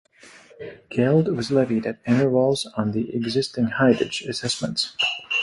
Geld was levied at intervals on the existing hidage assessments.